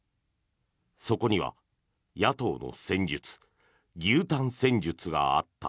そこには野党の戦術牛タン戦術があった。